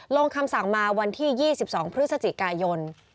คำสั่งมาวันที่๒๒พฤศจิกายน